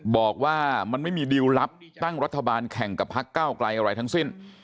บอกว่ามันไม่มีดิวลลับตั้งรัฐบาลแข่งกับพักเก้าไกลอะไรทั้งสิ้น